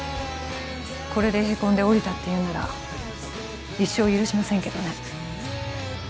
これでヘコんで降りたっていうなら一生許しませんけどね